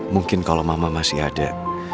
mungkin kalau mama masih ada